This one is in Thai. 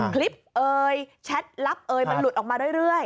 คลิปเอ่ยแชทลับเอยมันหลุดออกมาเรื่อย